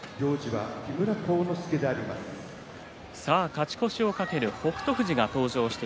勝ち越しを懸ける北勝富士登場です。